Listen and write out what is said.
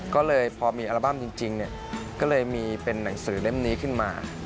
ก็เลยพอมีอัลบั้มจริงก็เลยมีเป็นหนังสือเล่มนี้ขึ้นมา